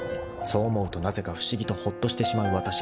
［そう思うとなぜか不思議とほっとしてしまうわたしがいた］